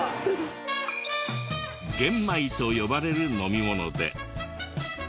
ゲンマイと呼ばれる飲み物で。